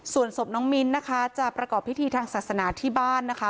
ส่วนศพน้องมิ้นนะคะจะประกอบพิธีทางศาสนาที่บ้านนะคะ